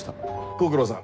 ご苦労さん